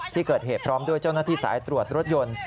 ที่เกิดเหตุพร้อมด้วยเจ้าหน้าที่สายตรวจรถยนต์